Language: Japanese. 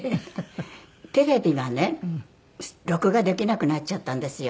テレビがね録画できなくなっちゃったんですよ。